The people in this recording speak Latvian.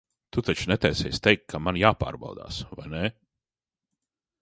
Tu taču netaisies teikt, ka man jāpārbaudās, vai ne?